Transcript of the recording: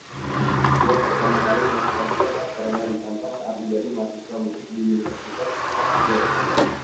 Dia pertama kali melakukan stand-up karena ditantang saat menjadi mahasiswa musik di Universitas Rutgers.